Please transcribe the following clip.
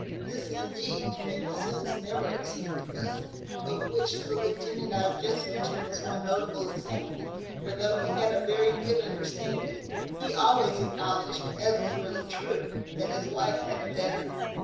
This, indeed, men of sense never expect of us; of which the lieutenant I have just mentioned was one notable example; for though he had a very good understanding, he always acknowledged (as was really true) that his wife had a better.